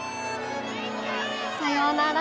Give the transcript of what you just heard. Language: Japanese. さようなら。